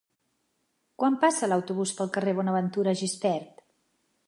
Quan passa l'autobús pel carrer Bonaventura Gispert?